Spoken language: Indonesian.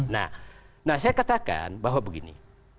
nah saya katakan bahwa begini